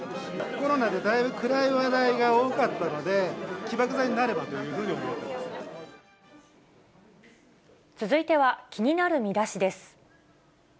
コロナでだいぶ暗い話題が多かったので、起爆剤になればというふうに思い続いては気になるミダシです。